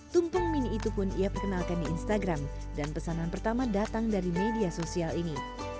tumpeng mini itu pun ia perkenalkan di instagram dan pesanan pertama datang dari media sosial ini